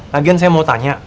lagian saya mau tanya